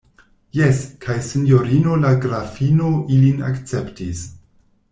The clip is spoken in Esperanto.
Jes, kaj sinjorino la grafino ilin akceptis.